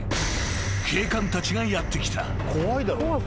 警官たちがやって来た］